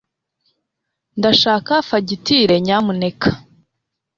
ndashaka fagitire, nyamuneka